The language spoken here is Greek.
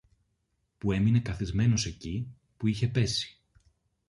που έμενε καθισμένος εκεί που είχε πέσει